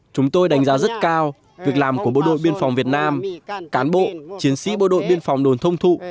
chúng tôi đánh giá rất cao việc làm của bộ đội biên phòng việt nam cán bộ chiến sĩ bộ đội biên phòng đồn thông thụ